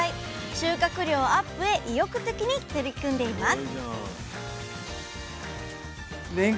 収穫量アップへ意欲的に取り組んでいます